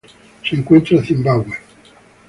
Se encuentra en Zimbabue.